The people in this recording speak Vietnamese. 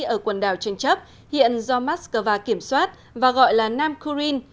ở quần đảo tranh chấp hiện do moscow kiểm soát và gọi là nam kurin